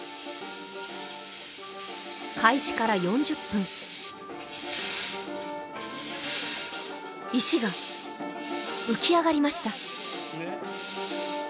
開始から４０分石が浮き上がりました